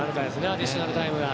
アディショナルタイムが。